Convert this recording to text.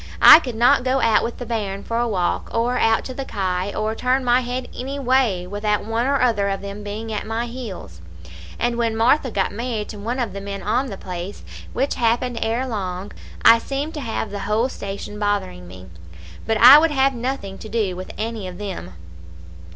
I could not go out with the bairn for a walk, or out to the kye, or turn my head any way, without one or other of them being at my heels. And when Martha got married to one of the men on the place, which happened ere long, I seemed to have the whole station bothering me; but I would have nothing to do with any of them.